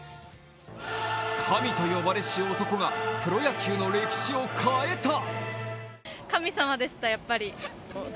神と呼ばれし男がプロ野球の歴史を変えた。